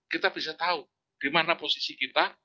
kita bisa tahu di mana posisi kita